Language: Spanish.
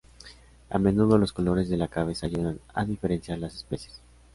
A menudo los colores de la cabeza ayudan a diferenciar las especies.